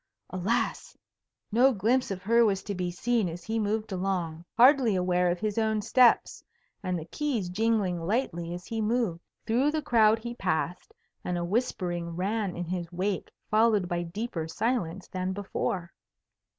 Alas! no glimpse of her was to be seen as he moved along, hardly aware of his own steps, and the keys jingling lightly as he moved. Through the crowd he passed, and a whispering ran in his wake followed by deeper silence than before.